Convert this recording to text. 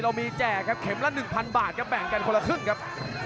อื้อหือจังหวะขวางแล้วพยายามจะเล่นงานด้วยซอกแต่วงใน